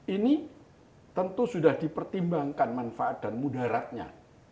ini tentu sudah dipertimbangkan manfaat dan mudaratnya